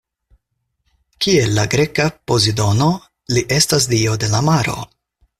Kiel la greka Pozidono, li estas dio de la maro.